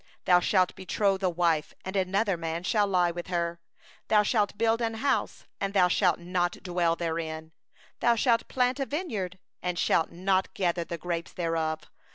30Thou shalt betroth a wife, and another man shall lie with her; thou shalt build a house, and thou shalt not dwell therein; thou shalt plant a vineyard, and shalt not use the fruit thereof.